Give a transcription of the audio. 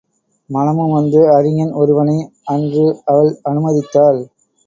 மனமுவந்து அறிஞன் ஒருவனை அன்று அவள் அனுமதித்தாள்.